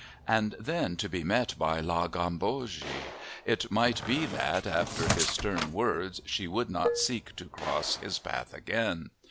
And then to be met by La Gambogi! It might be that, after his stern words, she would not seek to cross his path again.